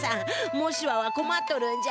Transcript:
モシワはこまっとるんじゃ。